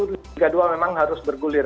liga dua memang harus bergulir